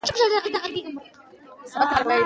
د خلکو غږ چوپ کول ستونزې نه حلوي